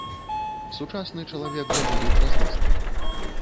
Сучасны чалавек даволі празрысты.